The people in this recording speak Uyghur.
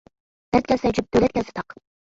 دەرد كەلسە جۈپ دۆلەت كەلسە تاق.